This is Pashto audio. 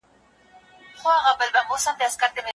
آیا ملي سرود تر عادي سندرې مهم دی؟